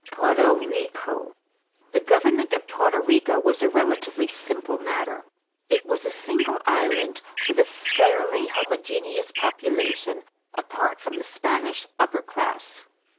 =Porto Rico.= The government of Porto Rico was a relatively simple matter. It was a single island with a fairly homogeneous population apart from the Spanish upper class.